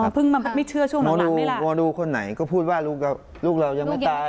พึ่งมาไม่เชื่อช่วงตอนหลังไหมล่ะมองดูคนไหนก็พูดว่าลูกเรายังไม่ตาย